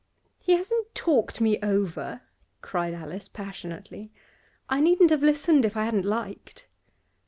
'He hasn't talked me over!' cried Alice, passionately. 'I needn't have listened if I hadn't liked.